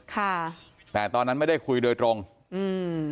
ค่ะแต่ตอนนั้นไม่ได้คุยโดยตรงอืม